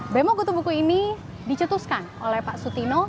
bemo kutubuku ini dicetuskan oleh pak sutino